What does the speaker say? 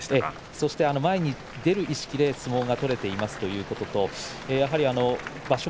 前に出る意識で相撲が取れていますということと場所